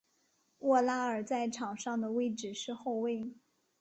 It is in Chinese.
沃拉尔在场上的位置是后卫。